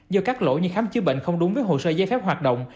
do các lỗi như khám chữa bệnh không đúng với hồ sơ giấy phép hoạt động